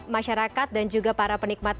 masyarakat dan juga para penikmat